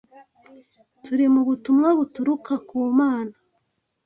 "Turi mu butumwa buturuka ku Mana"